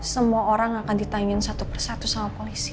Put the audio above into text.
semua orang akan ditanyain satu persatu sama polisi